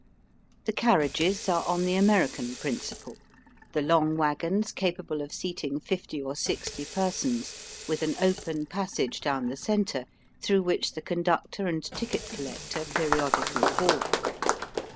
The carriages are on the American principle the long waggons capable of seating fifty or sixty persons, with an open passage down the centre, through which the conductor and ticket collector periodically walk.